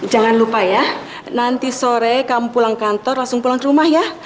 jangan lupa ya nanti sore kamu pulang kantor langsung pulang ke rumah ya